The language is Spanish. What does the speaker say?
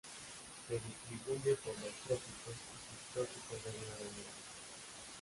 Se distribuye por los trópicos y subtrópicos del Nuevo Mundo.